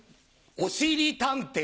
「おしぼりたんてい」。